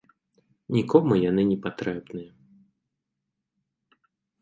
Нікому яны не патрэбныя.